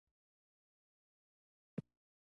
مینه په مسکا سره پیل کېږي، په مچولو وده کوي.